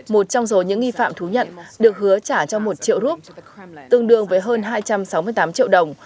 một trong số những nghi phạm thú nhận được hứa trả cho một triệu rút tương đương với hơn hai trăm sáu mươi tám triệu đồng